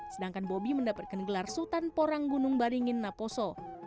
sedangkan bobi mendapatkan gelar sultan porang gunung baringin naposo